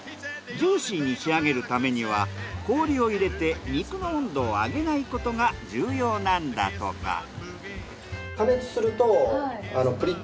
ジューシーに仕上げるためには氷を入れて肉の温度を上げないことが重要なんだとか。